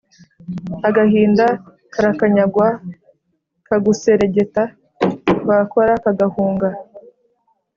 agahinda karakanyagwa, kaguseregeta, wakora kagahunga